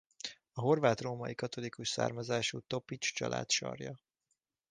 A horvát római katolikus származású Topits család sarja.